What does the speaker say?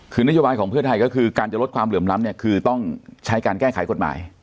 คือนโยบายของเพื่อไทยก็คือการจะลดความเหลื่อมล้ำเนี่ยคือต้องใช้การแก้ไขกฎหมาย